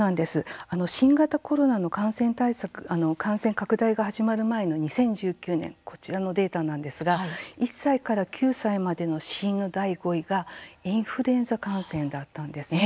新型コロナの感染拡大が始まる前の２０１９年こちらのデータなんですが１歳から９歳までの死因の第５位がインフルエンザ感染だったんです。